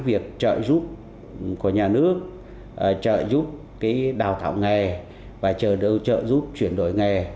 với việc trợ giúp của nhà nước trợ giúp đào tạo nghề và trợ giúp chuyển đổi nghề